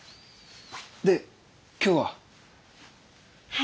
で今日は？